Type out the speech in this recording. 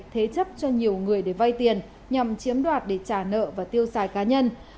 thế chấp cho nhiều người để vay tiền nhằm chiếm đoạt để trả nợ và tiêu xài cá nhân